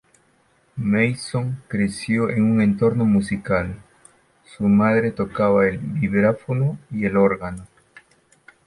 Mason creció en un entorno musical: su madre tocaba el vibráfono y el órgano.